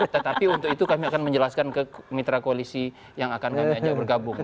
tetapi untuk itu kami akan menjelaskan ke mitra koalisi yang akan kami ajak bergabung